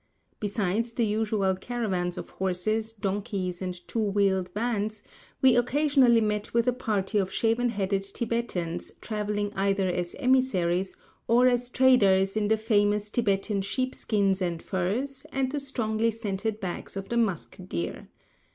Besides the usual caravans of horses, donkeys, and two wheeled vans, we occasionally met with a party of shaven headed Tibetans traveling either as emissaries, or as traders in the famous Tibetan sheep skins and furs, and the strongly scented bags of the musk deer.